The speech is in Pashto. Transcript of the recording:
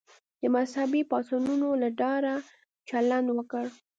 د مذهبي پاڅونونو له ډاره چلند وکړ.